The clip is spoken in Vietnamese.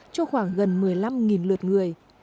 cho khoảng gần một mươi năm lượt người